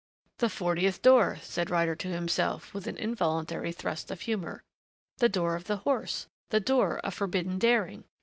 "The Fortieth Door!" said Ryder to himself with an involuntary thrust of humor. The door of the horse! The door of forbidden daring!